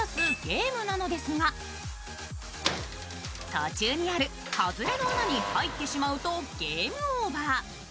途中にある外れの穴に入ってしまうとゲームオーバー。